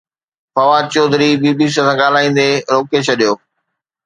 Fawad Chaudhry B B C سان ڳالهائيندي روڪي ڇڏيو